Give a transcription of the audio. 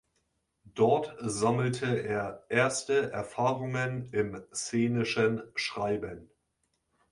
Dort sammelte er erste Erfahrungen im szenischen Schreiben.